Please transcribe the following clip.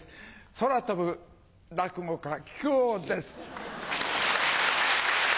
空飛ぶ落語家木久扇です！